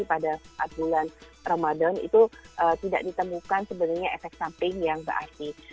pada saat bulan ramadan itu tidak ditemukan sebenarnya efek samping yang berarti